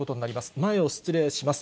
前を失礼します。